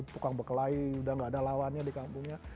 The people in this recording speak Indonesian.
tukang bekelai udah gak ada lawannya di kampungnya